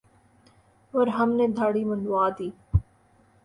اور ہم نے دھاڑی منڈوادی